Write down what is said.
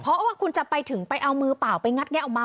เพราะว่าคุณจะไปถึงไปเอามือเปล่าไปงัดแงะออกมา